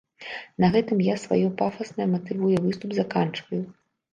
На гэтым я сваё пафаснае матывуе выступ заканчваю.